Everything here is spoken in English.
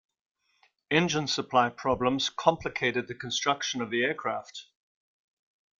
Engine supply problems complicated the construction of the aircraft.